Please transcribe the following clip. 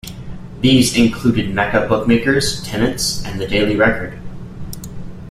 These included Mecca Bookmakers, Tennent's and the Daily Record.